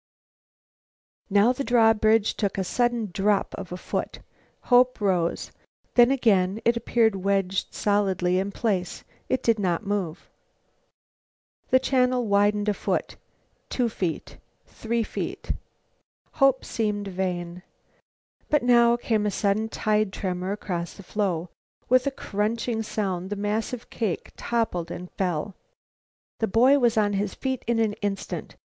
Now the drawbridge took a sudden drop of a foot. Hope rose. Then, again, it appeared wedged solidly in place. It did not move. The channel widened a foot, two feet, three. Hope seemed vain. But now came a sudden tide tremor across the floe. With a crunching sound the massive cake toppled and fell. The boy was on his feet in an instant.